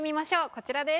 こちらです。